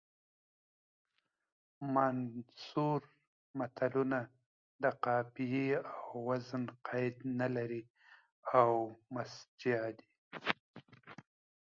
منثور متلونه د قافیې او وزن قید نه لري او مسجع دي